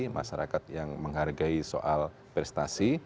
masyarakat yang menghargai soal prestasi